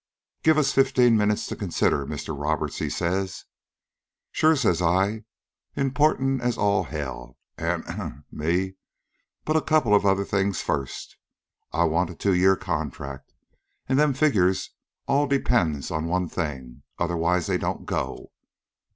"'Give us fifteen minutes to consider, Mr. Roberts,' he says. "'Sure,' says I, important as all hell ahem me! 'but a couple of other things first. I want a two year contract, an' them figures all depends on one thing. Otherwise they don't go.'